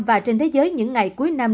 và trên thế giới những ngày cuối năm